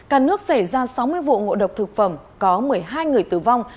cả nước xảy ra sáu mươi vụ ngộ độc thực phẩm có một mươi hai người tử vong